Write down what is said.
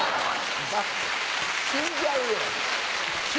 死んじゃうよ。